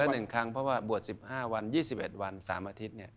เดือนละ๑ครั้งเพราะว่าบวช๑๕วัน๒๑วัน๓อาทิตย์เนี่ย